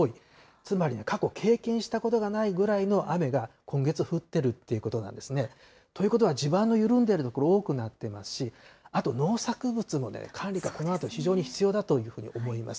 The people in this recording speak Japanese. つまりね、過去経験したことがないぐらいの雨が今月降っているということなんですね。ということは、地盤の緩んでいる所、多くなってますし、あと、農作物の管理がこのあと非常に必要だというふうに思います。